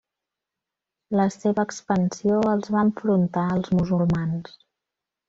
La seva expansió els va enfrontar als musulmans.